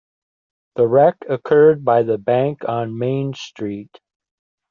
The wreck occurred by the bank on Main Street.